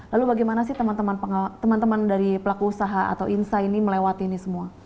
lalu bagaimana sih teman teman dari pelaku usaha atau insa ini melewati ini semua